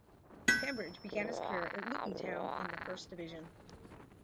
Pembridge began his career at Luton Town in the First Division.